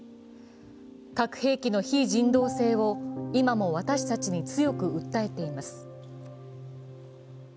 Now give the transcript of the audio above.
核兵器の非人道性を今も私たちに強く訴えています。